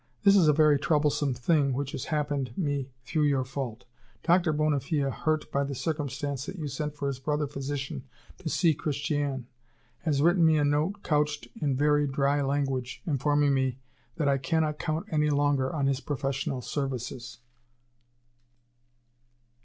this is a very troublesome thing, which has happened me through your fault. Doctor Bonnefille, hurt by the circumstance that you sent for his brother physician to see Christiane, has written me a note couched in very dry language informing me that I cannot count any longer on his professional services."